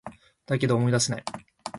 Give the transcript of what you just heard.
だけど、思い出せない